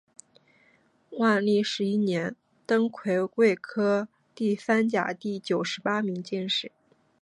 万历十一年登癸未科第三甲第九十八名进士。